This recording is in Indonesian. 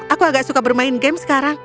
aku agak suka bermain game sekarang